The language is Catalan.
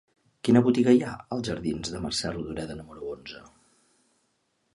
Quina botiga hi ha als jardins de Mercè Rodoreda número onze?